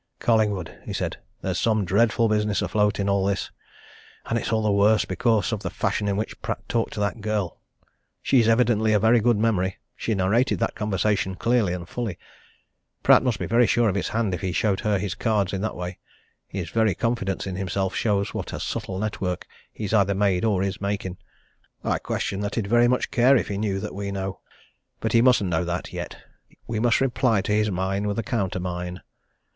"Collingwood!" he said. "There's some dreadful business afloat in all this! And it's all the worse because of the fashion in which Pratt talked to that girl. She's evidently a very good memory she narrated that conversation clearly and fully. Pratt must be very sure of his hand if he showed her his cards in that way his very confidence in himself shows what a subtle network he's either made or is making. I question if he'd very much care if he knew that we know. But he mustn't know that yet. We must reply to his mine with a counter mine!"